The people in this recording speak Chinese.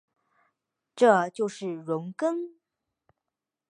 这就是容庚。